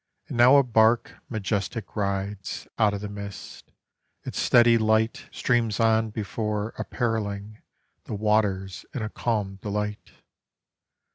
And now a bark majestic rides Out of the mist; its steady light Streams on before appareling The waters in a calm delight.